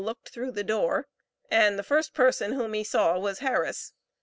looked through the door, and the first person whom he saw was Harris.